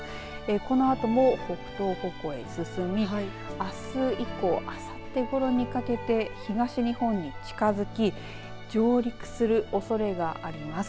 このあとも北北東方向に進みあす以降、あさってごろにかけて東日本に近づき上陸するおそれがあります。